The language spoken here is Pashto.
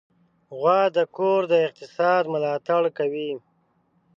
غوا د کور د اقتصاد ملاتړ کوي.